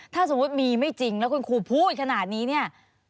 ถ้าสมมุติมีไม่จริงแล้วคุณครูพูดขนาดนี้เนี่ย